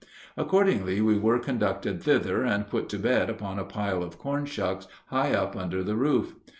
Accordingly we were conducted thither and put to bed upon a pile of corn shucks high up under the roof.